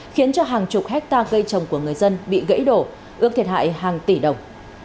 khiến cho hàng chục hectare cây trồng của người dân bị gãy đổ ước thiệt hại hàng tỷ đồng